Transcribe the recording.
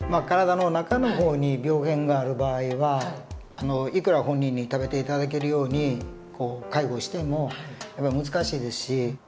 体の中の方に病原がある場合はいくら本人に食べて頂けるように介護してもやっぱり難しいですし。